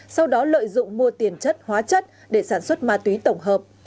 sau đó lợi dụng mua tiền chất hóa chất để sản xuất ma túy tổng hợp